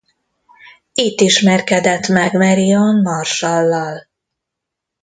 Itt ismerkedett meg Marion Marshall-lal.